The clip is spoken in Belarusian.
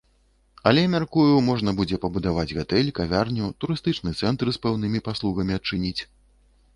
Але мяркую, можна будзе пабудаваць гатэль, кавярню, турыстычны цэнтр з пэўнымі паслугамі адчыніць.